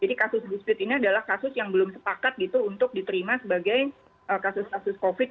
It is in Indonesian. jadi kasus dispute ini adalah kasus yang belum sepakat gitu untuk diterima sebagai kasus kasus covid